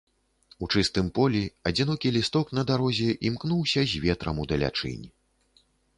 У чыстым полі адзінокі лісток на дарозе імкнуўся з ветрам удалячынь.